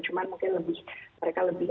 cuman mungkin lebih